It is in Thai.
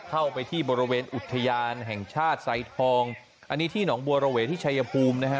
เข้าไปที่บริเวณอุทยานแห่งชาติไซทองอันนี้ที่หนองบัวระเวที่ชายภูมินะฮะ